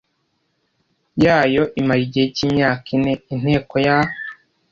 yayo imara igihe cy imyaka ine Inteko ya